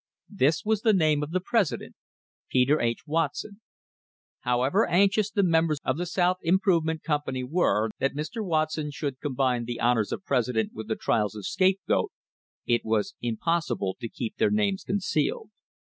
This was the name of the president, Peter H. Wat son. However anxious the members of the South Improve ment Company were that Mr. Watson should combine the honours of president with the trials of scapegoat, it was impos sible to keep their names concealed.